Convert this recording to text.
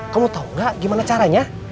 kamu tau gak gimana caranya